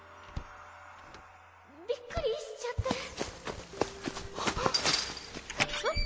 びっくりしちゃってはっ！